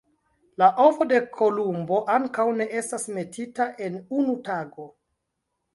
La ovo de Kolumbo ankaŭ ne estas metita en unu tago!